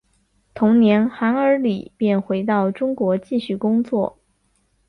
同年韩尔礼便回到中国继续工作。